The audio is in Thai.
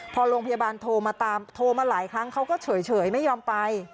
พอโรงพยาบาลโทรมาตามโทรมาหลายครั้งเขาก็เฉยไม่ยอมไป